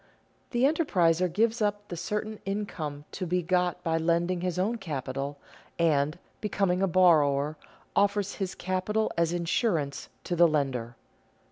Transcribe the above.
_The enterpriser gives up the certain income to be got by lending his own capital, and, becoming a borrower, offers his capital as insurance to the lender.